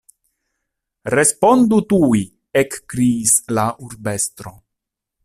Respondu tuj! ekkriis la urbestro.